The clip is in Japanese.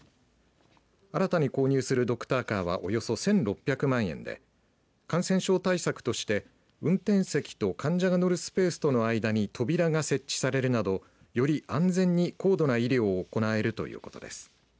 新たに購入するドクターカーはおよそ１６００万円で感染症対策として運転席と患者が乗るスペースとの間に扉が設置されるなど、より安全に高度な医療を行えるということです。